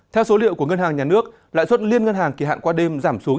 theo số liệu của ngân hàng nhà nước lãi suất liên ngân hàng kỳ hạn qua đêm giảm xuống